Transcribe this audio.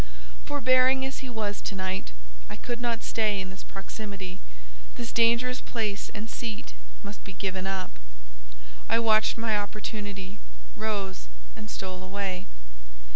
Forbearing as he was to night, I could not stay in this proximity; this dangerous place and seat must be given up: I watched my opportunity, rose, and stole away.